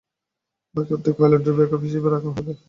বাকি অর্ধেক পাইলটদের ব্যাকআপ হিসাবে রাখা হবে।